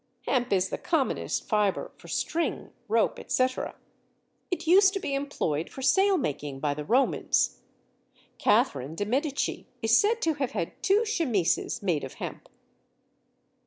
Hemp is the commonest fibre for string, rope, etc.; it used to be employed for sailmaking by the Romans. Catherine de' Medici is said to have had two chemises made of hemp.